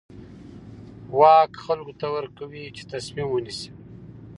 واک خلکو ته ورکوي چې تصمیم ونیسي.